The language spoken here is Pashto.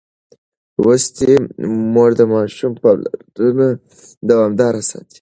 لوستې مور د ماشوم پاملرنه دوامداره ساتي.